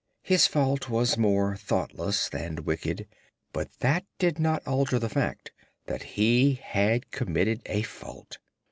His fault was more thoughtless than wicked, but that did not alter the fact that he had committed a fault.